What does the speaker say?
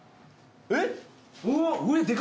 えっ！？